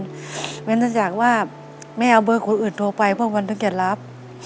เพราะฉะนั้นอยากว่าไม่เอาเบอร์คนอื่นโทรไปพวกมันก็จะรับ